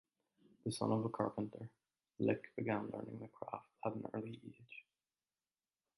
The son of a carpenter, Lick began learning the craft at an early age.